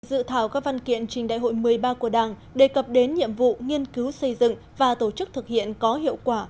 dự thảo các văn kiện trình đại hội một mươi ba của đảng đề cập đến nhiệm vụ nghiên cứu xây dựng và tổ chức thực hiện có hiệu quả